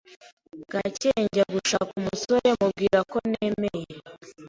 bwakeye njya gushaka umusore mubwira ko nemeye